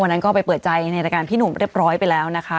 นั้นก็ไปเปิดใจในรายการพี่หนุ่มเรียบร้อยไปแล้วนะคะ